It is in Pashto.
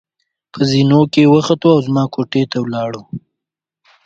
په زېنو کې وختو او زما کوټې ته ولاړو.